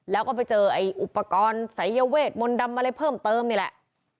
แล้วก็ไปเจอไอ้อุปกรณ์สายเวทมนต์ดำอะไรเพิ่มเติมนี่แหละ